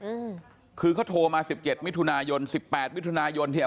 สุดท้ายอืมคือเขาโทรมาสิบเจ็ดมิถุนายนสิบแปดมิถุนายนเนี่ย